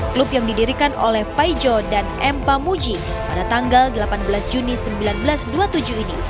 klub yang didirikan oleh paijo dan m pamuji pada tanggal delapan belas juni seribu sembilan ratus dua puluh tujuh ini